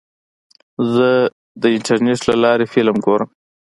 زه د انټرنیټ له لارې فلم ګورم.